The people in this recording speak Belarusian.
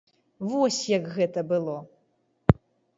Вось як гэта было.